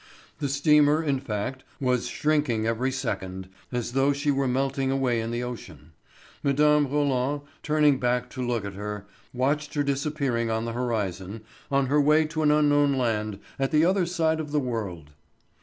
The steamer, in fact, was shrinking every second, as though she were melting away in the ocean. Mme. Roland, turning back to look at her, watched her disappearing on the horizon, on her way to an unknown land at the other side of the world.